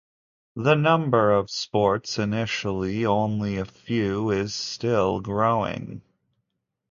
The number of sports, initially only a few, is still growing.